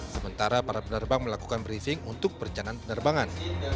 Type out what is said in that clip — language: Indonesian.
sementara para penerbang melakukan briefing untuk perencanaan penerbangan